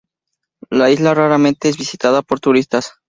La isla raramente es visitada por turistas.